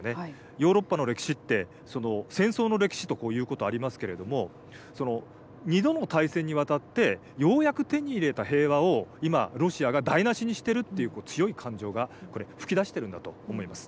ヨーロッパの歴史って戦争の歴史とこういうことありますけれども２度の大戦にわたってようやく手に入れた平和を今ロシアが台なしにしてるっていう強い感情が噴き出してるんだと思います。